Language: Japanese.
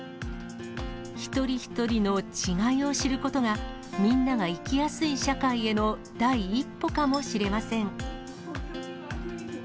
一人一人の違いを知ることが、みんなが生きやすい社会への第一歩かもしれません。